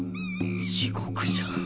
地獄じゃん。